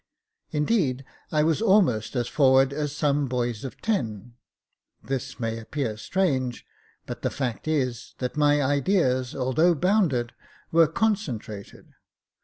Indeed, I was almost as forward as some boys at ten. This may appear strange j but the fact is, that my ideas, although bounded, were concen trated.